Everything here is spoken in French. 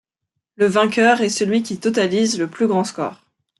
Le vainqueur est celui qui totalise le plus grand score.